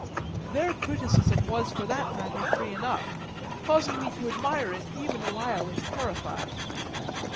Their criticism was for that matter free enough, causing me to admire it even while it terrified.